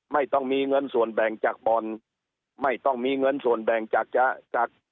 ไม่ต้องมีเงินส่วนแบ่งจากบ่อนไม่ต้องมีเงินส่วนแบ่งจากจะจากจาก